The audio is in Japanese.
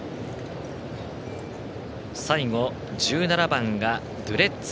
最後、１７番がドゥレッツァ。